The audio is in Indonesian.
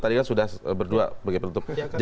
tadi kan sudah berdua sebagai penutup